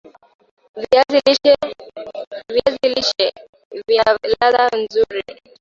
viazi lishe vina ladha nzuri